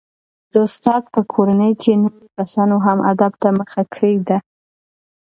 د استاد په کورنۍ کې نورو کسانو هم ادب ته مخه کړې ده.